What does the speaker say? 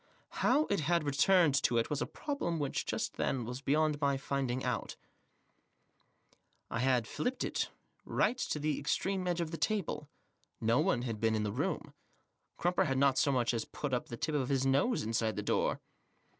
How it had returned to it was a problem which, just then, was beyond my finding out. I had filliped it tight to the extreme edge of the table. No one had been in the mom ; Crumper had not so much as put Up the tip of his nose inside the door.